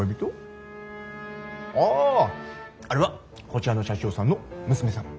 ああれはこちらの社長さんの娘さん。